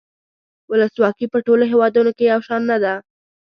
ولسواکي په ټولو هیوادونو کې یو شان نده.